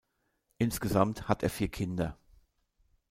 Insgesamt hat er vier Kinder.